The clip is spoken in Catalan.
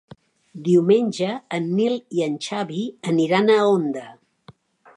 Diumenge en Nil i en Xavi aniran a Onda.